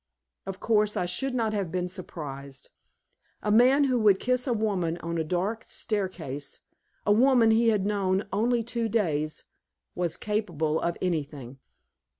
Of course I should not have been surprised. A man who would kiss a woman on a dark staircase a woman he had known only two days was capable of anything.